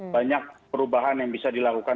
banyak perubahan yang bisa dilakukan